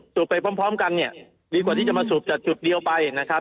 ไปพร้อมพร้อมกันเนี่ยดีกว่าที่จะมาสูบจากจุดเดียวไปนะครับ